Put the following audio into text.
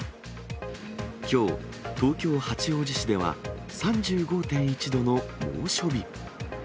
きょう、東京・八王子市では３５．１度の猛暑日。